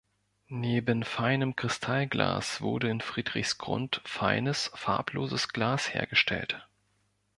Neben feinem Kristallglas wurde in Friedrichsgrund feines farbloses Glas hergestellt.